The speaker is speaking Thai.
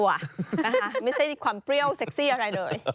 ไม่ใช่ความเปรี้ยวเซ็กซี่อะไรเลย